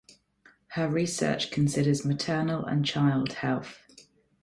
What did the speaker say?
Her research considers maternal and child health.